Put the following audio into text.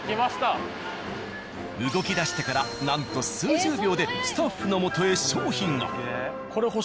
動きだしてからなんと数十秒でスタッフの元へ商品が！